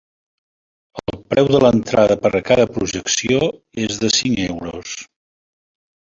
El preu de l’entrada per a cada projecció és de cinc euros.